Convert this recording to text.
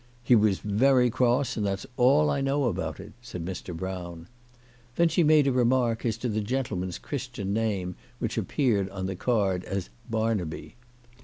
"He was very cross, and that's all I know about it," said Mr. Brown. Then she made a remark as to the gentleman's Christian name, which appeared on the card as " Barnaby."